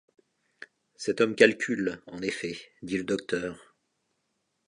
Cet homme calcule, en effet, dit le docteur.